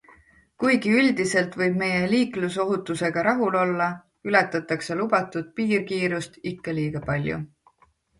Kuigi üldiselt võib meie liiklusohutusega rahul olla, ületatakse lubatud piirkiirust ikka liiga palju.